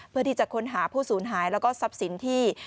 เพื่อที่จะค้นหาผู้สูญหายแล้วก็ทรัพย์สินที่